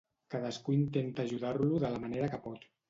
Cadascú intenta ajudar-lo de la manera que pot.